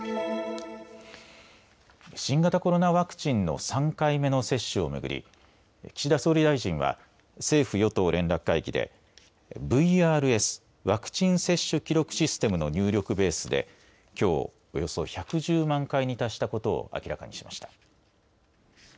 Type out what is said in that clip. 新型コロナワクチンの３回目の接種を巡り、岸田総理大臣は、政府与党連絡会議で、ＶＲＳ・ワクチン接種記録システムの入力ベースで、きょう、およそ１１０万回に達したことを明らかにしました。